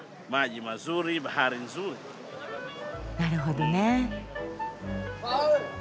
なるほどね。